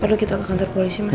perlu kita ke kantor polisi